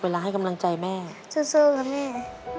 เวลาให้กำลังใจแม่นะครับซู่แม่